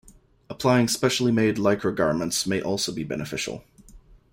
Applying specially made Lycra garments may also be beneficial.